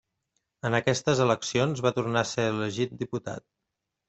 En aquestes eleccions va tornar a ser elegit diputat.